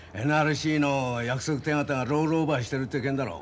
ＮＲＣの約束手形がロールオーバーしてるという件だろ。